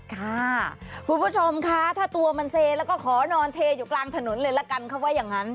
ค่ะคุณผู้ชมคะถ้าตัวมันเซแล้วก็ขอนอนเทอยู่กลางถนนเลยละกันเขาว่าอย่างนั้น